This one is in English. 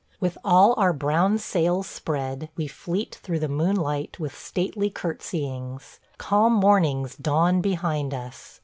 ... With all our brown sails spread, we fleet through the moonlight with stately courtesyings. Calm mornings dawn behind us.